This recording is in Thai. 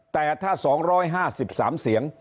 แต่ถ้า๒๕๓เสียง